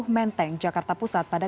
menteng jakarta pusat pada